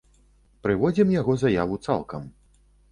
Прыводзім яго заяву цалкам.